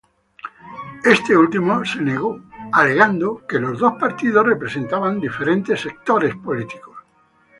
Este último se negó alegando que los dos partidos representaban diferentes sectores políticos.